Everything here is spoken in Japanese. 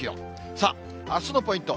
さあ、あすのポイント。